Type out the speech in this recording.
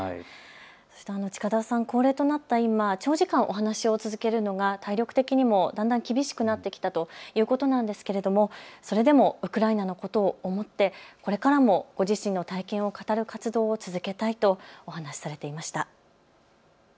近田さん、高齢となった今、長時間お話を続けるのが体力的にもだんだん厳しくなっててきたということなんですけれどもそれでもウクライナのことを思って、これからも自身の体験を語る活動を続けたいとお話しされていました。